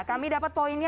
kami dapat poinnya